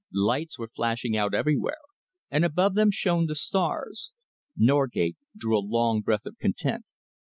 Lights were flashing out everywhere, and above them shone the stars. Norgate drew a long breath of content.